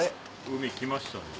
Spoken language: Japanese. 海来ましたね。